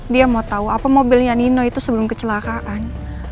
dia mau tahu apa mobilnya nino itu sebelum kecelakaan